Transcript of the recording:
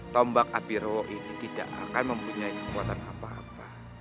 tombak apiro ini tidak akan mempunyai kekuatan apa apa